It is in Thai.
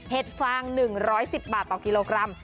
ฟาง๑๑๐บาทต่อกิโลกรัม